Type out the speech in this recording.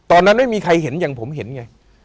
ตอนนั้นไม่มีใครเห็นอย่างผมเห็นไง